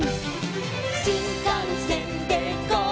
「しんかんせんでゴー！